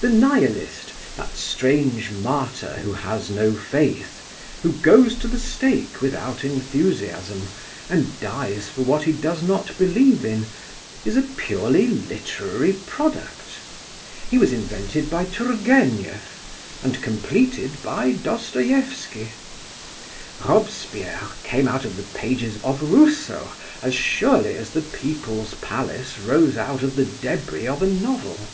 The Nihilist, that strange martyr who has no faith, who goes to the stake without enthusiasm, and dies for what he does not believe in, is a purely literary product. He was invented by Tourgénieff, and completed by Dostoieffski. Robespierre came out of the pages of Rousseau as surely as the People's Palace rose out of the débris of a novel.